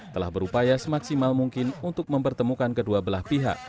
telah berupaya semaksimal mungkin untuk mempertemukan kedua belah pihak